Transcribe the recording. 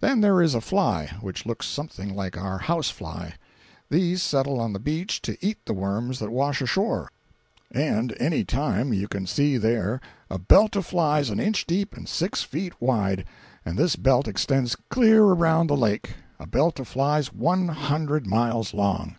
Then there is a fly, which looks something like our house fly. These settle on the beach to eat the worms that wash ashore—and any time, you can see there a belt of flies an inch deep and six feet wide, and this belt extends clear around the lake—a belt of flies one hundred miles long.